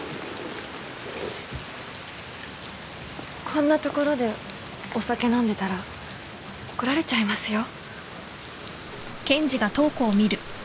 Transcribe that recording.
こんな所でお酒飲んでたら怒られちゃいますよ。